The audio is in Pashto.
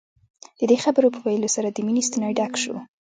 د دې خبرو په ويلو سره د مينې ستونی ډک شو.